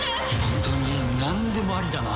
本当になんでもありだな。